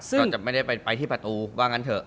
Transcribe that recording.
ก็จะไม่ได้ไปที่ประตูว่างั้นเถอะ